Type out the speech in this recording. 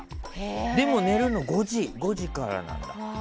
でも、寝るのが５時からなんだ。